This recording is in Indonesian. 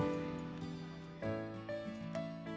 kamu nggak usah ikutin aku lagi